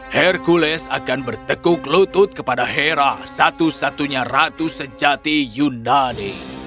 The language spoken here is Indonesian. hercules akan bertekuk lutut kepada hera satu satunya ratu sejati yunadi